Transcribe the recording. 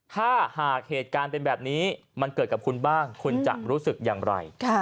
ถ้าหากเหตุการณ์เป็นแบบนี้มันเกิดกับคุณบ้างคุณจะรู้สึกอย่างไร